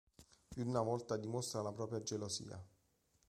Più di una volta dimostra la propria gelosia.